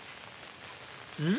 うん？